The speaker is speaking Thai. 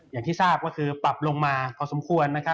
อย่างที่ทราบก็คือปรับลงมาพอสมควรนะครับ